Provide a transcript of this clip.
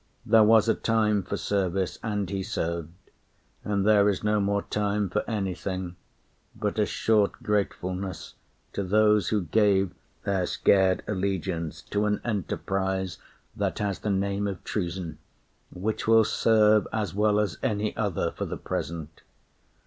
There was a time for service, and he served; And there is no more time for anything But a short gratefulness to those who gave Their scared allegiance to an enterprise That has the name of treason which will serve As well as any other for the present.